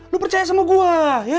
lu percaya sama gua